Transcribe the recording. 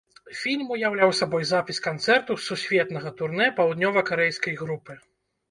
Фільм уяўляў сабой запіс канцэрту з сусветнага турнэ паўднёвакарэйскай групы.